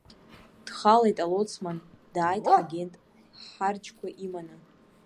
Дхалеит алоцман, дааит ҳагент ҳҳарџьқәа иманы.